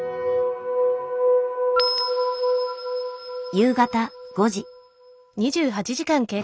夕方５時。